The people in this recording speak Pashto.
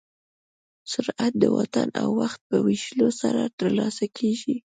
سرعت د واټن او وخت په ویشلو سره ترلاسه کېږي.